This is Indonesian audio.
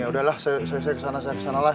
ya udahlah saya kesana saya kesanalah